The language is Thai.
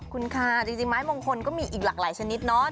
คุณค่ะจริงไม้มงคลก็มีอีกหลากหลายชนิดเนาะ